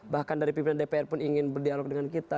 bahkan dari pimpinan dpr pun ingin berdialog dengan kita